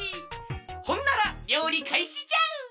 ほんならりょうりかいしじゃ！